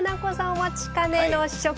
お待ちかねの試食タイム。